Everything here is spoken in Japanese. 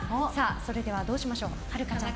それではどうしましょう。